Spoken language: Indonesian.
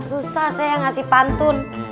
susah saya ngasih pantun